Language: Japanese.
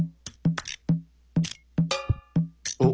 おっ！